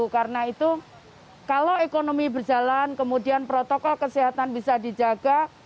karena itu kalau ekonomi berjalan kemudian protokol kesehatan bisa dijaga